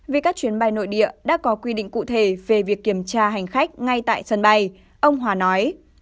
vì các chuyến bay nội địa đã có quy định cụ thể về việc kiểm tra hành khách ngay tại sân bay ông hòa nói